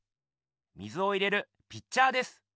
水を入れるピッチャーです。